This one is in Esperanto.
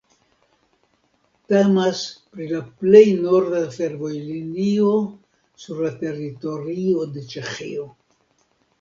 Temas pri la plej norda fervojlinio sur la teritorio de Ĉeĥio.